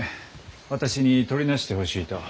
私にとりなしてほしいと。